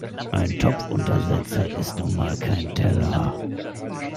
Ein Topfuntersetzer ist nun mal kein Teller.